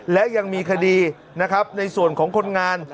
และยังมีคดีในส่วนของคนงาน